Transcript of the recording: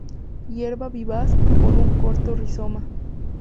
Hierba vivaz, por un corto rizoma.